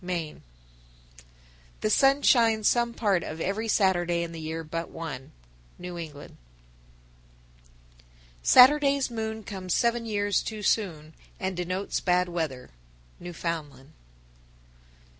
Maine. 943. The sun shines some part of every Saturday in the year but one. New England. 944. Saturday's moon comes seven years too soon, and denotes bad weather. _Newfoundland.